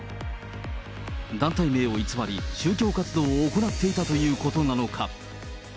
団体名を偽り、宗教活動を行っていたということなのか。